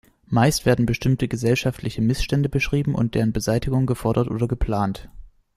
Meist werden bestimmte gesellschaftliche Missstände beschrieben und deren Beseitigung gefordert oder geplant.